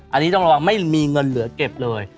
อันนี้ต้องระวังไม่มีเงินเหลือเก็บเลย